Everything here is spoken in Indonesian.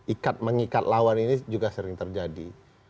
ikat mengikat lawan ini juga sering terjadi